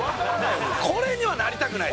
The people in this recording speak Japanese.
これにはなりたくない。